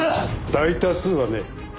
大多数はね。